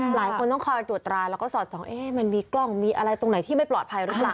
หลายคนต้องคอยตรวจตราแล้วก็สอดส่องมันมีกล้องมีอะไรตรงไหนที่ไม่ปลอดภัยหรือเปล่า